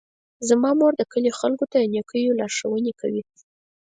زما مور د کلي خلکو ته د نیکیو لارښوونې کوي.